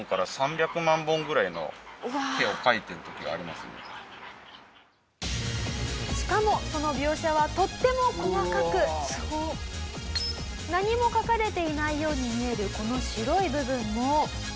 なのでしかもその描写はとっても細かく何も描かれていないように見えるこの白い部分も。